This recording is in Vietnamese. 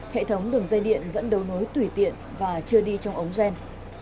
hệ thống đường dây điện vẫn đầu nối tùy tiện và chưa đi trong ống ghen